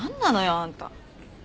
あんた。